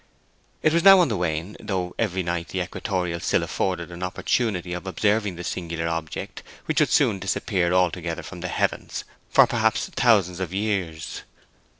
It was now on the wane, though every night the equatorial still afforded an opportunity of observing the singular object which would soon disappear altogether from the heavens for perhaps thousands of years.